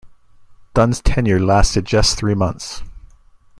Dunn's tenure lasted just three months.